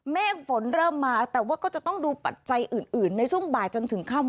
เมฆฝนเริ่มมาแต่ว่าก็จะต้องดูปัจจัยอื่นในช่วงบ่ายจนถึงค่ำ